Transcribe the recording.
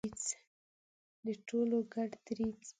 د ټولو ګډ دریځ.